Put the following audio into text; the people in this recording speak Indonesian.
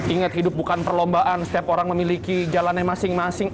ingat hidup bukan perlombaan setiap orang memiliki jalannya masing masing